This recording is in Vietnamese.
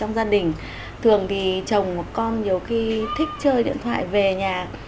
trong gia đình thường thì chồng một con nhiều khi thích chơi điện thoại về nhà